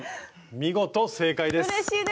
見事正解です！